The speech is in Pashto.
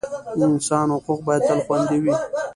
د انسان حقوق باید تل خوندي وي.